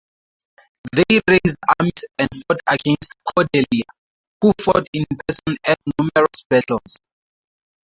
They raised armies and fought against Cordelia, who fought in person at numerous battles.